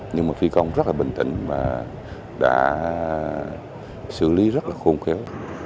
nhưng mà phi công rất là bình tĩnh và đã xử lý rất là khôn khéo